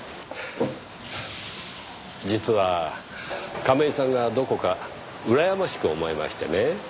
実は亀井さんがどこかうらやましく思えましてね。